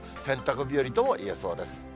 洗濯日和ともいえそうです。